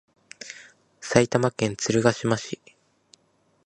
埼玉県鶴ヶ島市